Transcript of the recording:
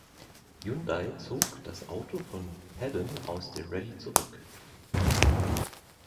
Hyundai zog das Auto von Paddon aus der Rallye zurück.